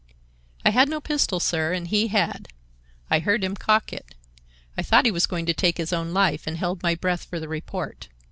"I had no pistol, sir, and he had. I heard him cock it. I thought he was going to take his own life, and held my breath for the report.